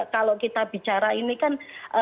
kalau kita bicara ini kan